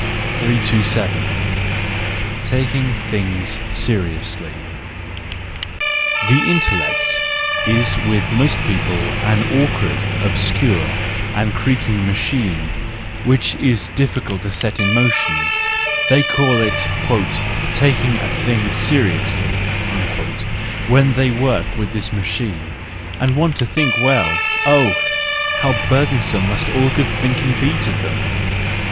327 . Taking Things Seriously .—The intellect is with most people an awkward, obscure and creaking machine, which is difficult to set in motion: they call it " taking a thing seriously " when they work with this machine, and want to think well—oh, how burdensome must good thinking be to them